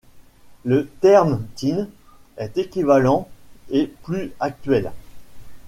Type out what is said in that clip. Le terme teen est équivalent et plus actuel.